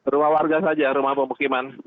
rumah warga saja rumah pemukiman